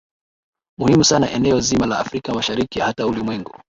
muhimu sana eneo zima la afrika mashariki hata ulimwengu